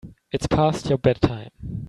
It's past your bedtime.